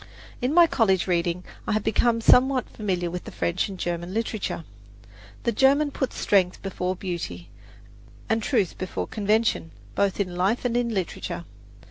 In my college reading I have become somewhat familiar with French and German literature. The German puts strength before beauty, and truth before convention, both in life and in literature.